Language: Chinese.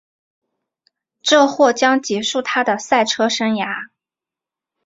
这或将结束她的赛车生涯。